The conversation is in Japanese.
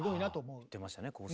言ってましたね構成。